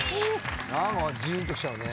何かジーンときちゃうね。